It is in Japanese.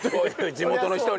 地元の人にね。